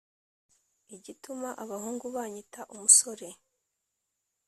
Igituma abahungu banyita umusore,